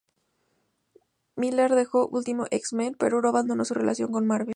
Millar dejó "Ultimate X-Men" pero no abandonó su relación con Marvel.